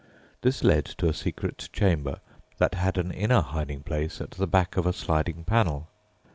This led to a secret chamber, that had an inner hiding place at the back of a sliding panel.